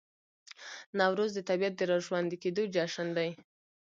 نوروز د طبیعت د راژوندي کیدو جشن دی.